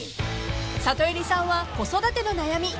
［サトエリさんは子育ての悩み］